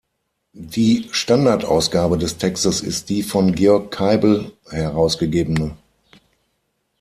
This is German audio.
Die Standardausgabe des Textes ist die von Georg Kaibel herausgegebene.